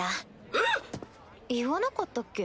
えっ⁉言わなかったっけ？